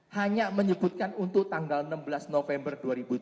hanya menyebutkan untuk tanggal enam belas november dua ribu tujuh belas